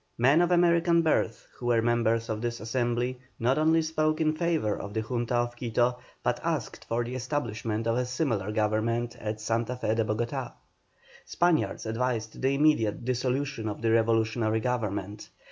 Men of American birth, who were members of this assembly, not only spoke in favour of the Junta of Quito, but asked for the establishment of a similar government at Santa Fé de Bogotá. Spaniards advised the immediate dissolution of the revolutionary government.